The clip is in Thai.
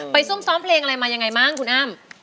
ซุ่มซ้อมเพลงอะไรมายังไงบ้างคุณอ้ำ